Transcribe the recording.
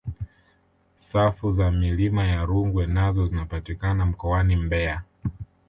safu za milima ya rungwe nazo zinapatikana mkoani mbeya